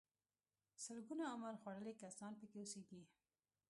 سلګونه عمر خوړلي کسان پکې اوسيږي.